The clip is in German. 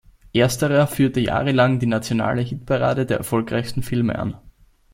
Ersterer führte jahrelang die nationale Hitparade der erfolgreichsten Filme an.